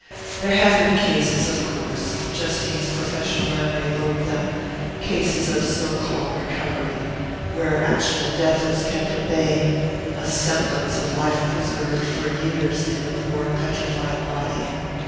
There had been cases, of course Justine's professional memory evoked them cases of so called "recovery," where actual death was kept at bay, a semblance of life preserved for years in the poor petrified body....